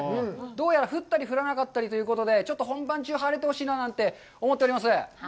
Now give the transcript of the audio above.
どうやら降ったり降らなかったりということで、ちょっと本番中には晴れてほしいななんて思っております。